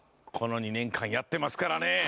この２年間やってますからね。